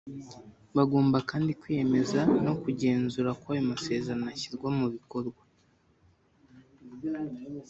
Bagomba kandi kwiyemeza no kugenzura ko ayo masezerano ashyirwa mu bikorwa